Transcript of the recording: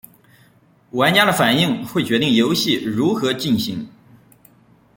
玩家的反应会决定游戏如何进行。